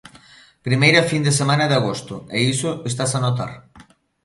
Primeira fin de semana de agosto e iso estase a notar.